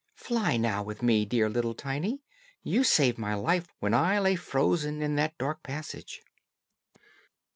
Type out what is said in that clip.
Fly now with me, dear little Tiny; you saved my life when I lay frozen in that dark passage."